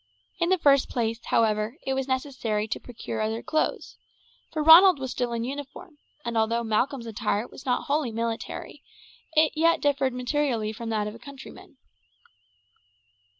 In the first place, however, it was necessary to procure other clothes, for Ronald was still in uniform, and although Malcolm's attire was not wholly military, it yet differed materially from that of a countryman.